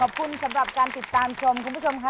ขอบคุณสำหรับการติดตามชมคุณผู้ชมค่ะ